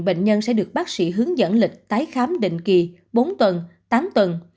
bệnh nhân sẽ được bác sĩ hướng dẫn lịch tái khám định kỳ bốn tuần tám tuần